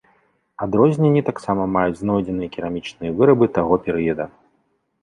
Адрозненні таксама маюць знойдзеныя керамічныя вырабы таго перыяда.